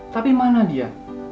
tapi mana dia